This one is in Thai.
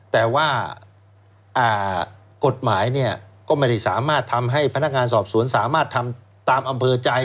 แต่ว่ากฎหมายเนี่ยก็ไม่ได้สามารถทำให้พนักงานสอบสวนสามารถทำตามอำเภอใจ